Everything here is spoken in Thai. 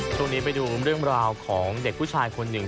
ช่วงนี้ไปดูเรื่องราวของเด็กผู้ชายคนหนึ่ง